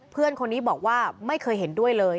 เพื่อนคนนี้บอกว่าไม่เคยเห็นด้วยเลย